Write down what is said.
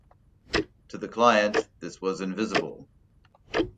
To the client this was invisible.